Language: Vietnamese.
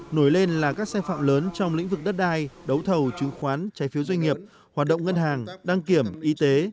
nổi lên là các xe phạm lớn trong lĩnh vực đất đai đấu thầu chứng khoán trái phiếu doanh nghiệp hoạt động ngân hàng đăng kiểm y tế